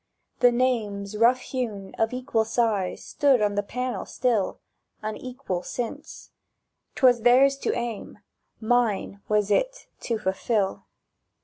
The names, rough hewn, of equal size, Stood on the panel still; Unequal since.—"'Twas theirs to aim, Mine was it to fulfil!"